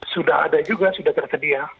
sudah ada juga sudah tersedia